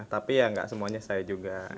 tapi ya nggak semuanya saya juga